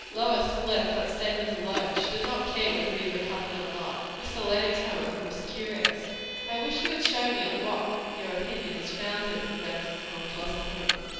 Lois left that statement alone. She did not care whether he recovered or not. Mr. Lenox, however, was curious. "I wish you would show me on what your opinion is founded," he went on pleasantly.